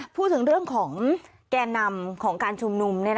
พูดถึงเรื่องของแก่นำของการชุมนุม